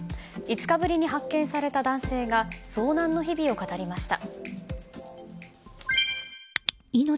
５日ぶりに発見された男性が遭難の日々を語りました。